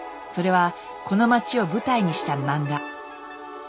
それはこの町を舞台にした漫画。